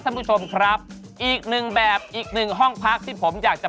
ตามแอฟผู้ชมห้องน้ำด้านนอกกันเลยดีกว่าครับ